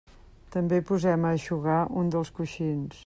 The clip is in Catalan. També posem a eixugar un dels coixins.